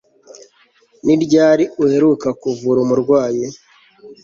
Ni ryari uheruka kuvura umurwayi